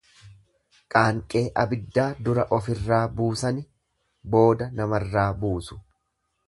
Qaanqee abiddaa dura ofirraa buusani booda namarraa buusu.